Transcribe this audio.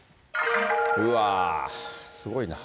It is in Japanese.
うわー、すごいな。